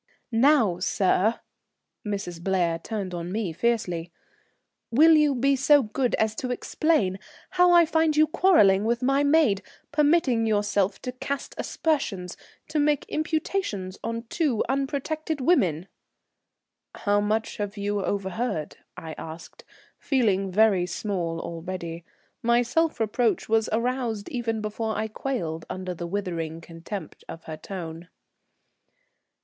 "Now, sir," Mrs. Blair turned on me fiercely, "will you be so good as to explain how I find you quarrelling with my maid, permitting yourself to cast aspersions, to make imputations upon two unprotected women?" "How much have you overheard?" I asked, feeling very small already. My self reproach was aroused even before I quailed under the withering contempt of her tone.